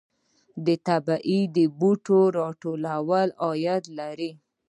د طبیعي بوټو راټولول عاید لري